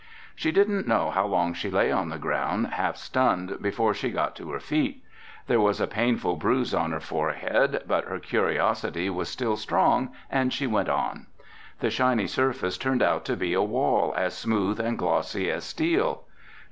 She didn't know how long she lay on the ground half stunned before she got to her feet. There was a painful bruise on her forehead, but her curiosity was still strong and she went on. The shiny surface turned out to be a wall as smooth and glossy as steel.